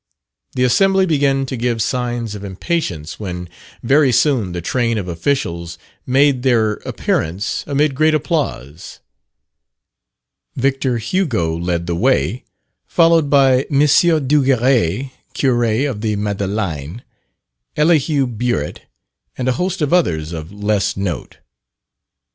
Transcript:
The Assembly began to give signs of impatience, when very soon the train of officials made their appearance amid great applause. Victor Hugo led the way, followed by M. Duguerry, curé of the Madeleine, Elihu Burritt, and a host of others of less note.